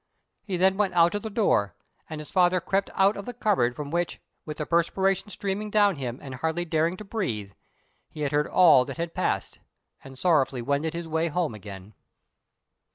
He then went out of the door; and his father crept out of the cupboard from which, with the perspiration streaming down him and hardly daring to breathe, he had heard all that had passed, and sorrowfully wended his way home again.